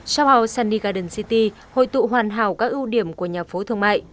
shop house sunny garden city hội tụ hoàn hảo các ưu điểm của nhà phố thương mại